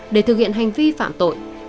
để thực hiện hành vi phạm tội